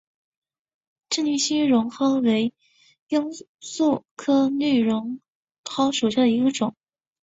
滇西绿绒蒿为罂粟科绿绒蒿属下的一个种。